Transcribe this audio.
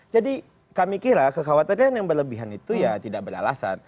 jadi kami kira kekhawatiran yang berlebihan itu ya tidak beralasan